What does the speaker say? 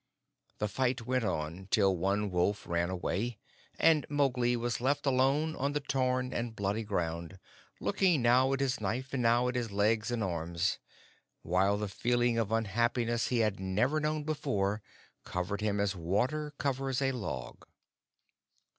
The fight went on till one wolf ran away, and Mowgli was left alone on the torn and bloody ground, looking now at his knife, and now at his legs and arms, while the feeling of unhappiness he had never known before covered him as water covers a log.